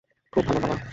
খুব ভালো, বাবা।